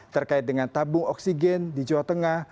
terkait dengan tabung oksigen di jawa tengah